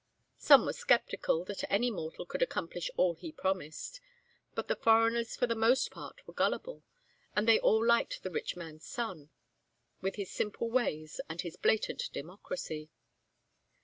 Some were skeptical that any mortal could accomplish all he promised, but the foreigners for the most part were gullible, and they all liked the rich man's son, with his simple ways and his blatant democracy.